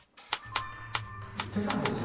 言ってたんですよ